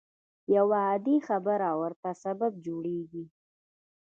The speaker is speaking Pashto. يوه عادي خبره ورته سبب جوړېږي.